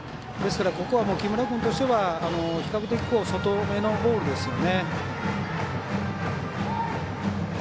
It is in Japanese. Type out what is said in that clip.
ここは木村君としたら比較的、外めのボールですよね。